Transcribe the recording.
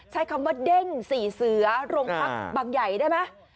ใช้คำว่าเด้งสี่เสือโรงพักบางใหญ่ได้ไหม